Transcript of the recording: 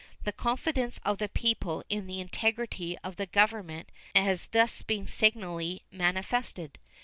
The confidence of the people in the integrity of their Government has thus been signally manifested.